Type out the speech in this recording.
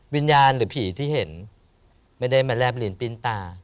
วิญญาณหรือผีที่เห็นไม่ได้มาแลบลิ้นปิ้นตา